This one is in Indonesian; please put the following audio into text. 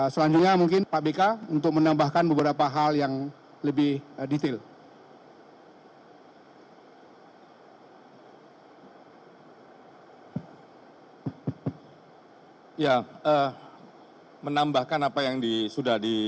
selanjutnya mungkin pak bk untuk menambahkan beberapa hal yang lebih detail